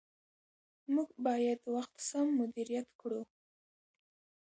موږ باید وخت سم مدیریت کړو